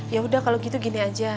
yaudah kalau gitu gini aja